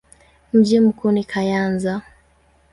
Mji mkuu ni Kayanza.